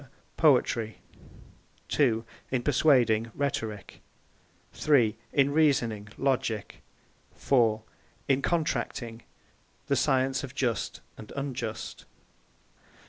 POETRY ii) In Persuading, RHETORIQUE iii) In Reasoning, LOGIQUE iv) In Contracting, The Science of JUST and UNJUST B.